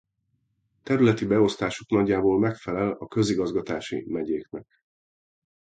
Területi beosztásuk nagyjából megfelel a közigazgatási megyéknek.